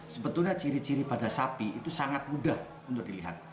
sebetulnya ciri ciri pada sapi itu sangat mudah untuk dilihat